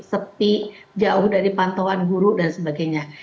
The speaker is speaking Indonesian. sepi jauh dari pantauan guru dan sebagainya